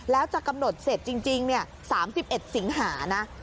แล้วจะกำหนดเสร็จจริง๓๑สิงหานะ